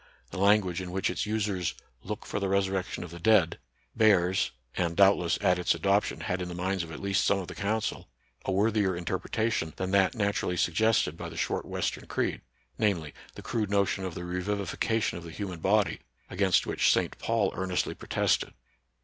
The language in which its users " look for the resur rection of the dead " bears — and doubtless at its adoption had in the minds of at least some of the council — a worthier interpretation than that naturally suggested by the short western creed, namely, the crude notion of the revivi fication of the human body, against which St. Paul earnestly protested.